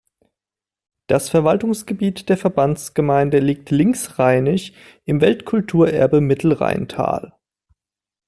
Das Verwaltungsgebiet der Verbandsgemeinde liegt linksrheinisch im Weltkulturerbe Mittelrheintal.